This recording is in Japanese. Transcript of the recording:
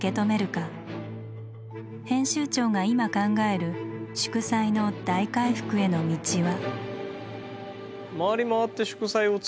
編集長が今考える祝祭の「大回復」への道は？